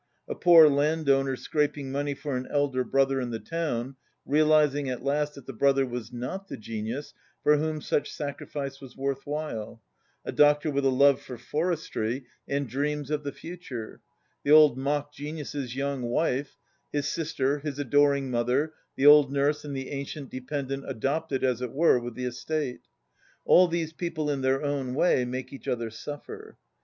A poor land owner scraping money for an elder brother in the town, realizing at last that the brother was not the genius for whom such sacrifice was worth while; a doctor with a love for forestry and dreams of the future; the old mock genius's young wife; his sister; his adoring mother; the old nurse and the ancient dependent adopted, as it were, with the estate; all these people in their own way make each other suffer.